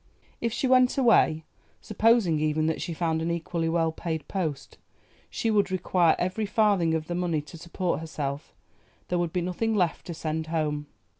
If she went away, supposing even that she found an equally well paid post, she would require every farthing of the money to support herself, there would be nothing left to send home.